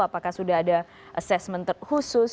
apakah sudah ada assessment khusus